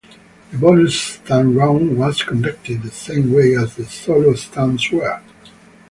The Bonus Stunt round was conducted the same way as the solo stunts were.